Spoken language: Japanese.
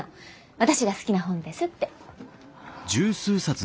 私が好きな本ですって。